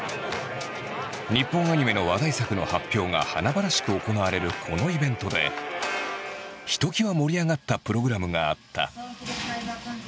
日本アニメの話題作の発表が華々しく行われるこのイベントでひときわ盛り上がったプログラムがあった。